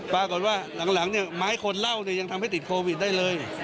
ปรากฏว่าหลังเนี่ยไม้คนเหล้าเนี่ยยังทำให้ติดโควิดได้เลย